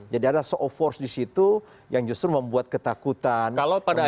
jadi ada so of force disitu yang justru membuat ketakutan membuat kegelisahan